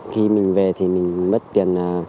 khi mình về thì mình mất tiền